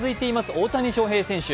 大谷翔平選手。